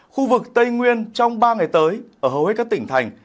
khu vực tây nguyên trong ba ngày tới ở hầu hết các tỉnh thành